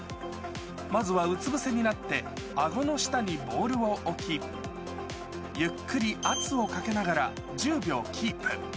まずはうつぶせになって、あごの下にボールを置き、ゆっくり圧をかけながら、１０秒キープ。